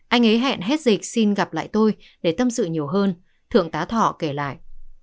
anh ấy hẹn hết dịch xin gặp lại tôi để tâm sự nhiều hơn thượng tá thọ kể lại